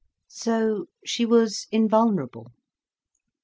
So, she was invulnerable.